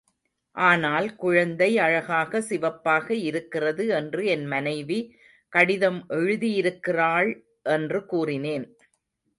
ஆனால் குழந்தை அழகாக சிவப்பாக இருக்கிறது என்று என் மனைவி கடிதம் எழுதியிருக்கிறாள் என்று கூறினேன்.